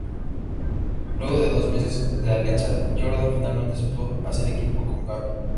Luego de dos meses de alianza, Jordan finalmente aceptó hacer equipos con Gable.